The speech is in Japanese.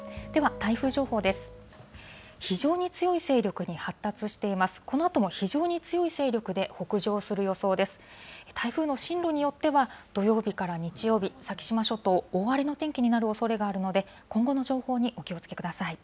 台風の進路によっては、土曜日から日曜日、先島諸島、大荒れの天気になるおそれがあるので、今後の情報にお気をつけください。